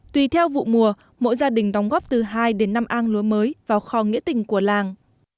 tùy theo vụ mùa mỗi gia đình đóng góp từ hai đến năm an lúa mới vào kho nghĩa tình của làng